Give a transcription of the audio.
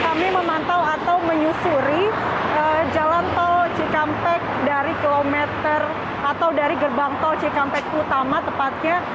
kami memantau atau menyusuri jalan tol cikampek dari kilometer atau dari gerbang tol cikampek utama tepatnya